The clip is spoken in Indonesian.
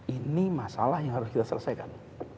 ini masalah yang harus kita selesaikan